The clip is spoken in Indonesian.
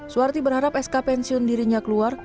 suwarti berharap sk pensiun dirinya keluar